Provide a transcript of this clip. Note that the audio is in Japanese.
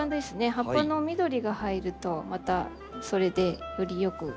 葉っぱの緑が入るとまたそれでより良く見えると思います。